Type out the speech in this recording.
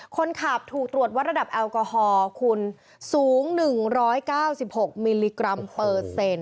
คนขับถูกตรวจวัตรระดับแอลกอฮอล์คุณสูงหนึ่งร้อยเก้าสิบหกมิลลิกรัมเปอร์เซ็นต์